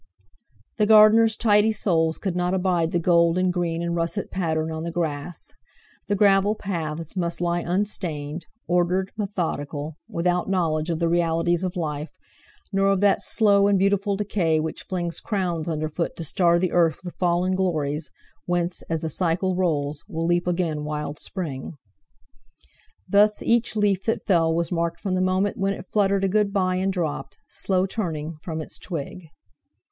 The gardeners' tidy souls could not abide the gold and green and russet pattern on the grass. The gravel paths must lie unstained, ordered, methodical, without knowledge of the realities of life, nor of that slow and beautiful decay which flings crowns underfoot to star the earth with fallen glories, whence, as the cycle rolls, will leap again wild spring. Thus each leaf that fell was marked from the moment when it fluttered a good bye and dropped, slow turning, from its twig.